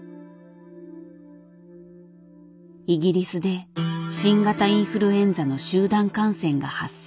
イギリスで新型インフルエンザの集団感染が発生。